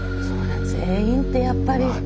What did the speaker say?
そんな全員ってやっぱり。